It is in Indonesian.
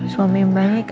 suami yang baik